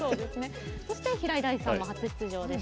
平井大さんも初出場です。